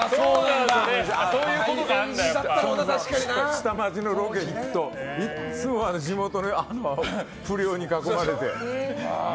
下町のロケに行くといつも地元の不良に囲まれて。